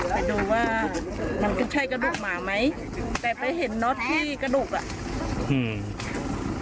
ไปดูว่ามันก็ใช่กระดูกหมาไหมแต่ไปเห็นน็อตที่กระดูกอ่ะอืม